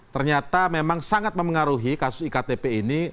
ternyata memang sangat mempengaruhi kasus iktp ini